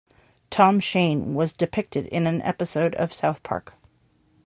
Tom Shane was depicted in an episode of "South Park".